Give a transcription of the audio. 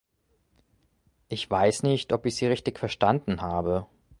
Ich weiß nicht, ob ich Sie richtig verstanden habe.